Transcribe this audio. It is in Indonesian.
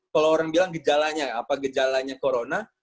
kalau orang bilang gejalanya apa gejalanya corona